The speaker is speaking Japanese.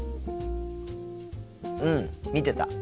うん見てた。